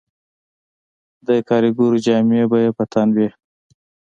د کاریګرو جامې به یې تن وې